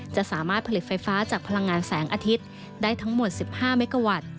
จะสามารถผลิตไฟฟ้าจากพลังงานแสงอาทิตย์ได้ทั้งหมด๑๕เมกาวัตต์